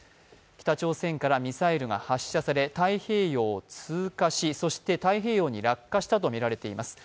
北朝鮮からミサイルが箸され太平洋を通過し、そして太平洋に落下したものとみられています。